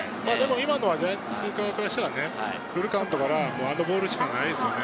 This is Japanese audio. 今のはジャイアンツ側からしたらフルカウントからあのボールしかないですよね。